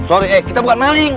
sorry eh kita bukan maling